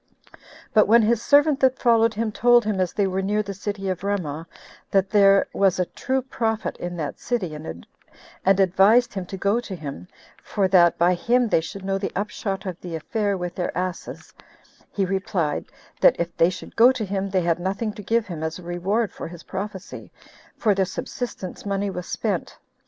But when his servant that followed him told him as they were near the city of Ramah, that there was a true prophet in that city, and advised him to go to him, for that by him they should know the upshot of the affair of their asses, he replied, That if they should go to him, they had nothing to give him as a reward for his prophecy, for their subsistence money was spent.